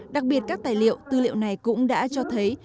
đặc biệt các tài liệu tư liệu này cũng đã cho thấy